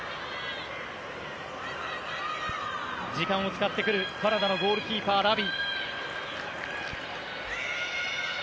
時間を使ってくるカナダのゴールキーパー、ラビ。